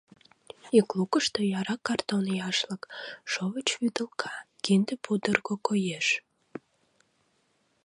Ик лукышто яра картон яшлык, шовыч вӱдылка, кинде пудырго коеш.